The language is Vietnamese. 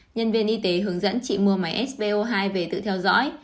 nhân viên y tế hướng dẫn chị mua máy sbo hai về tự theo dõi